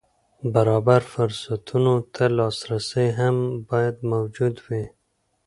برابر فرصتونو ته لاسرسی هم باید موجود وي.